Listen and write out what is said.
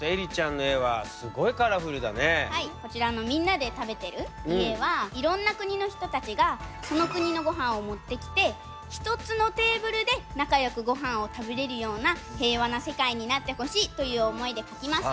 こちらのみんなで食べてる家はいろんな国の人たちがその国のごはんを持ってきて１つのテーブルで仲よくごはんを食べれるような平和な世界になってほしいという思いで描きました。